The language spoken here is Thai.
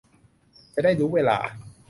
จะได้รู้เวลา